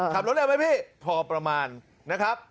ขับรถเร็วไหมพี่พอประมาณนะครับ